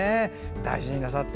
大事になさって。